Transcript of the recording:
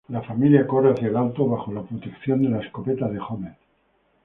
La familia corre hacia el auto, bajo la protección de la escopeta de Homer.